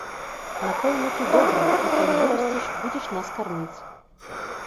Напэўна, ты добрае, і, калі вырасцеш, будзеш нас карміць.